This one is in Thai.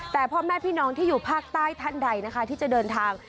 แต่พ่อแม่พี่น้องที่อยู่ภาคใต้ท่านใดนะคะที่จะเดินทาง